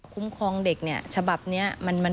คุ้มครองเด็กเนี่ยฉบับเนี่ย